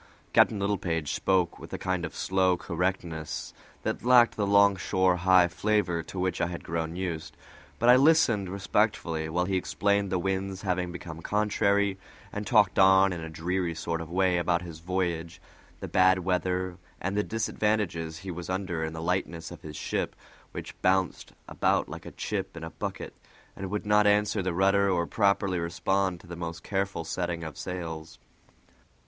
Captain Littlepage spoke with a kind of slow correctness that lacked the longshore high flavor to which I had grown used; but I listened respectfully while he explained the winds having become contrary, and talked on in a dreary sort of way about his voyage, the bad weather, and the disadvantages he was under in the lightness of his ship, which bounced about like a chip in a bucket, and would not answer the rudder or properly respond to the most careful setting of sails.